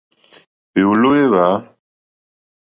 Hwèwòló hwé hwa.